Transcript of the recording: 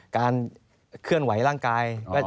การเคลื่อนไหวร่างกาย